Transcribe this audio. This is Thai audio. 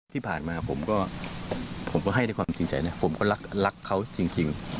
ที่ผ่านมาผมก็ผมก็ให้ด้วยความจริงใจนะผมก็รักเขาจริง